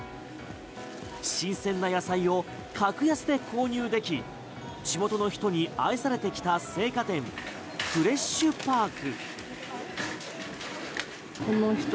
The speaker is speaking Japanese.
新鮮な野菜を格安で購入でき仕事の人に愛されてきた青果店フレッシュパーク。